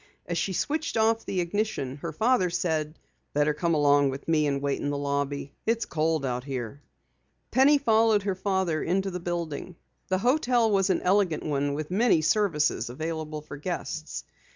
As she switched off the ignition her father said: "Better come along with me and wait in the lobby. It's cold out here." Penny followed her father into the building. The hotel was an elegant one with many services available for guests.